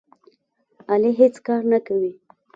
علي هېڅ کار نه کوي.